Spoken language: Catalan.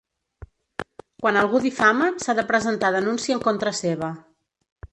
Quan algú difama s’ha de presentar denúncia en contra seva.